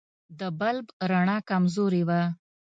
د بلب رڼا کمزورې وه.